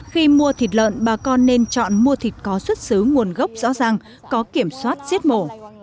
khi mua thịt lợn bà con nên chọn mua thịt có xuất xứ nguồn gốc rõ ràng có kiểm soát giết mổ